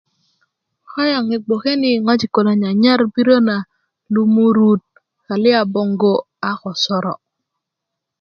kayaŋ i gboke ni ŋojik kulo nyanyar biriö na lumurut kaliya boŋgo' a ko soro'